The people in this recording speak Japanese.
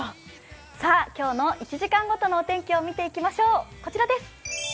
今日の１時間ごとのお天気を見ていきましょう、こちらです。